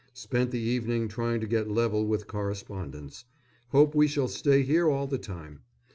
Spent the evening trying to get level with correspondence. Hope we shall stay here all the time.